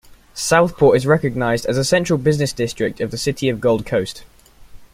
Southport is recognised as the central business district of the City of Gold Coast.